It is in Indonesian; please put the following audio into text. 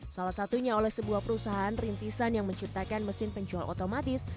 salah satunya oleh sebuah perusahaan rintisan yang menciptakan mesin penjual otomatis